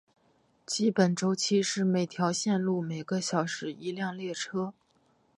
基本周期是每条线路每个小时一趟列车。